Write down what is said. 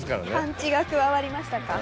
パンチが加わりましたか？